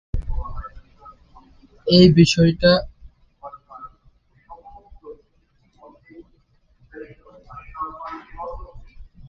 বেশিরভাগ আক্রমণকারী হেলিকপ্টার বায়ু-থেকে-বায়ু ক্ষেপণাস্ত্র বহন করতে সক্ষম, যদিও বেশিরভাগ স্ব-প্রতিরক্ষা উদ্দেশ্যে।